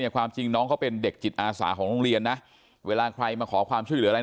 ความจริงน้องเขาเป็นเด็กจิตอาสาของโรงเรียนนะเวลาใครมาขอความช่วยเหลืออะไร